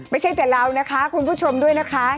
ไม่ใช่แต่เรานะคะคุณผู้ชมด้วยนะคะ